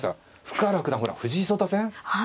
深浦九段ほら藤井聡太戦